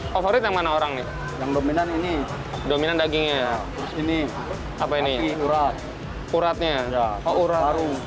favorit yang mana orang yang dominan ini dominan dagingnya terus ini apa ini uratnya